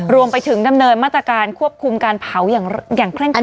รวมไปถึงดำเนินมาตรการควบคุมการเผาอย่างเคร่งครั